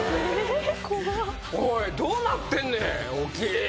おいどうなってんねん大木。